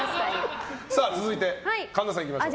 続いて、神田さんいきましょう。